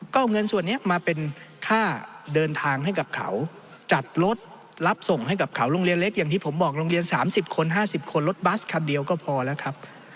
ก็เอาเงินส่วนนี้มาเป็นค่าเดินทางให้กับเขาจัดรถรับส่งให้กับเขาโรงเรียนเล็กอย่างที่ผมบอกโรงเรียน๓๐คน๕๐คนรถบัสคันเดียวก็พอแล้วครับ